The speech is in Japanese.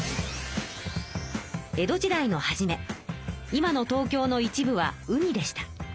江戸時代の初め今の東京の一部は海でした。